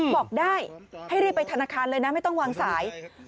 บอกได้ให้รีบไปธนาคารเลยนะไม่ต้องวางสาย